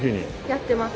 やってます。